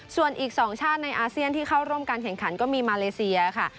ส่วนอีก๒ชาติในอาเซียนที่เข้าร่วมการแข่งขันก็มีมาเลเซียค่ะ